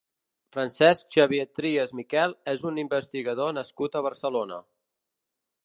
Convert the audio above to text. Francesc Xavier Trias Miquel és un investigador nascut a Barcelona.